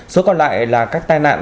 số còn lại là các tai nạn